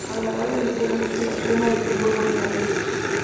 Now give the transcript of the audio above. A la gala de entrega asistente ‘la crema’ del fútbol boliviano.